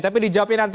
tapi dijawabin nanti